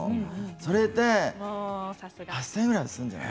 それで８０００円くらいするんじゃない。